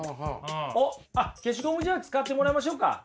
おっあっ消しゴムじゃあ使ってもらいましょうか。